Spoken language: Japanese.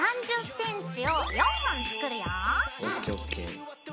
３０ｃｍを４本作るよ。